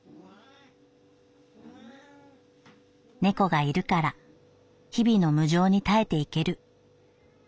「猫がいるから日々の無常に耐えていける。